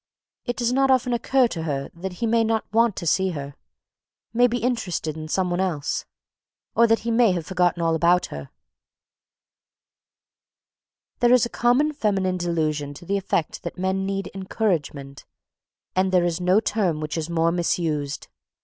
It does not often occur to her that he may not want to see her, may be interested in someone else, or that he may have forgotten all about her. [Sidenote: "Encouragement"] There is a common feminine delusion to the effect that men need "encouragement" and there is no term which is more misused.